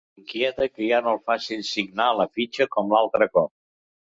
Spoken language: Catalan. L'inquieta que ja no el facin signar a la fitxa com l'altre cop.